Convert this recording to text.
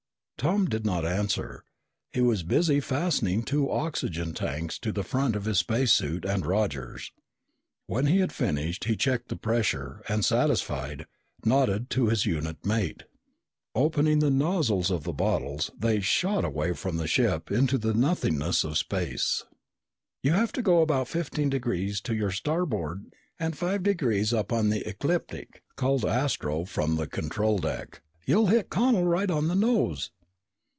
Tom did not answer. He was busy fastening two oxygen tanks to the front of his space suit and Roger's. When he had finished, he checked the pressure and, satisfied, nodded to his unit mate. Opening the nozzles of the bottles, they shot away from the ship into the nothingness of space. "You have to go about fifteen degrees to your starboard and five degrees up on the ecliptic," called Astro from the control deck. "You'll hit Connel right on the nose!"